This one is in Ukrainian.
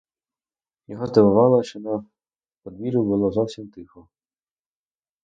Його здивувало, що на подвір'ю було зовсім тихо.